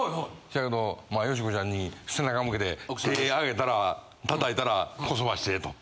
せやけどまあ佳子ちゃんに背中向けて手ぇあげたら叩いたらこそばしてと。